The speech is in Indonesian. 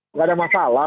nggak ada masalah